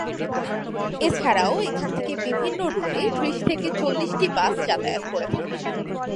এছাড়াও এখান থেকে বিভিন্ন রুটে ত্রিশ থেকে চল্লিশটি বাস যাতায়াত করে থাকে।